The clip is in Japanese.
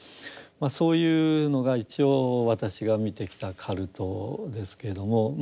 そういうのが一応私が見てきたカルトですけども。